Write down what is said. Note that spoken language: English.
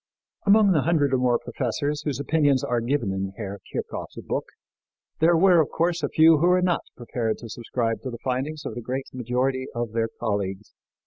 Among the hundred and more professors whose opinions are given in Herr Kirchhoff's book there were, of course, a few who were not prepared to subscribe to the findings of the great majority of their colleagues.